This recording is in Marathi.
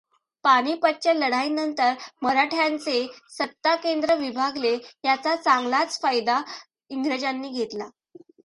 पानिपतच्या लढाईनंतर मराठ्यांचे सत्ताकेंद्र विभागले याचा चांगलाहच फायदा इंग्रजांनी घेतला.